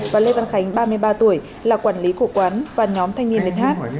và lê văn khánh ba mươi ba tuổi là quản lý của quán và nhóm thanh niên lên hát